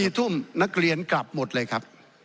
๔ทุ่มนักเรียนกลับหมดเลยครับ